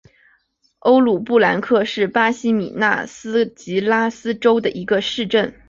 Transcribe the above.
欧鲁布兰科是巴西米纳斯吉拉斯州的一个市镇。